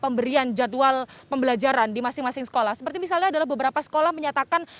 pemberian jadwal pembelajaran di masing masing sekolah seperti misalnya adalah beberapa sekolah menyatakan